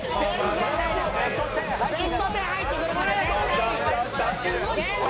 ベスト１０入ってくるから絶対に。